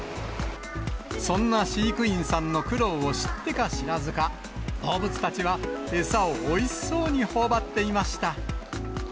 そんな飼育員さんの苦労を知ってか知らずか、動物たちは餌をおいしそうにほおばっていました。